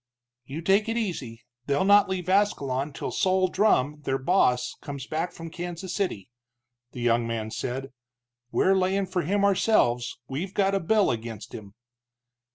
"You take it easy, they'll not leave Ascalon till Sol Drumm, their boss, comes back from Kansas City," the young man said. "We're layin' for him ourselves, we've got a bill against him."